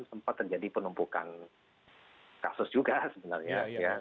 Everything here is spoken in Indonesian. sempat terjadi penumpukan kasus juga sebenarnya